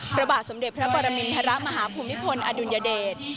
พระบาทสมเด็จพระปรมินทรมาฮภูมิพลอดุลยเดช